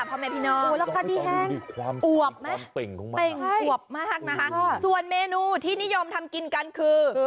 พ่อแม่พี่น้องอวบไหมเป่งอวบมากนะคะส่วนเมนูที่นิยมทำกินกันคือ